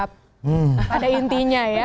pada intinya ya